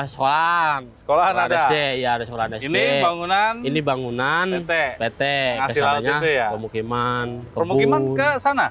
sekolah sekolah ada ini bangunan ini bangunan pt ngasih latih ya pemukiman pemukiman ke sana